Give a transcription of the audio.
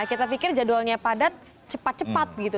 kita pikir jadwalnya padat cepat cepat gitu